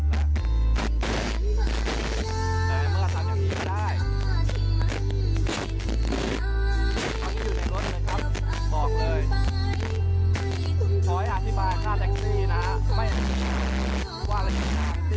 มาถ่ายังไง